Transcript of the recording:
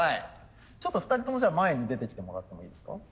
ちょっと２人ともじゃあ前に出てきてもらってもいいですか。